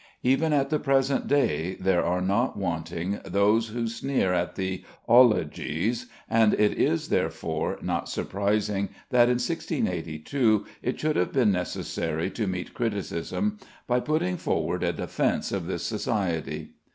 Even at the present day there are not wanting those who sneer at the "ologies," and it is therefore not surprising that in 1682 it should have been necessary to meet criticism by putting forward a defence of this Society.